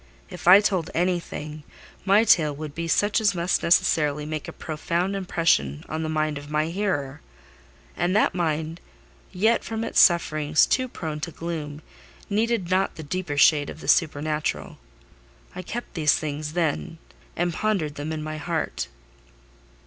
If I told anything, my tale would be such as must necessarily make a profound impression on the mind of my hearer: and that mind, yet from its sufferings too prone to gloom, needed not the deeper shade of the supernatural. I kept these things then, and pondered them in my heart.